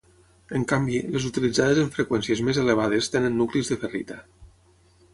En canvi, les utilitzades en freqüències més elevades tenen nuclis de ferrita.